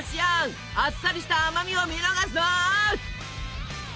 あっさりした甘みを見逃すな！